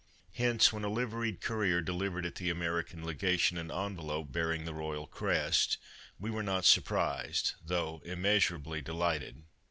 Hence when a liveried courier delivered at the American Legation an envelope bearing the royal crest we were not surprised, though 47 Christmas Under Three nags immeasurably delighted.